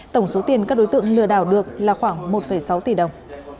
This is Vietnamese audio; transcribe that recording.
tổng số tiền các đối tượng lừa đảo được là khoảng một sáu tỷ đồng